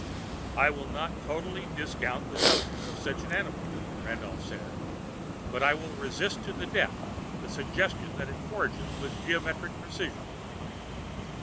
"I will not totally discount the notion of such an animal," Randolph said. "But I will resist to the death the suggestion that it forages with geometric precision."